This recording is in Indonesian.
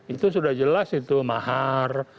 itu sudah jelas itu mahar